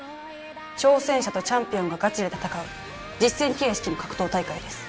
挑戦者とチャンピオンがガチで戦う実戦形式の格闘大会です